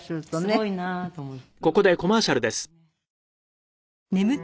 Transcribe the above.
すごいなと思って。